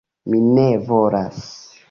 Mi ne volas!